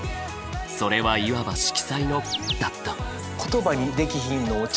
「それはいわば色彩のだった」。